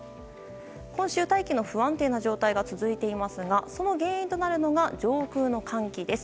今週、大気の不安定な状態が続いていますがその原因となるのが上空の寒気です。